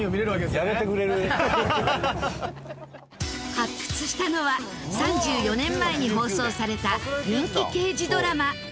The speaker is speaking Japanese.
発掘したのは３４年前に放送された人気刑事ドラマ。